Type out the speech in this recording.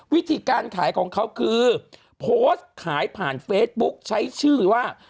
วิธีการขายของเขาคือโพสต์ขายผ่านเฟซบุ๊คใช้ชื่อว่า